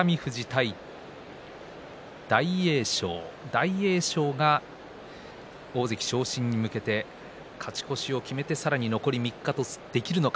大栄翔が大関昇進に向けて勝ち越しを決めて残り３日とできるのか。